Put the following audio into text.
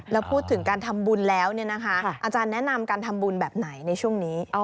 แล้วพูดถึงการทำบุญแล้วอาจารย์แนะนำการทำบุญแบบไหนในช่วงนี้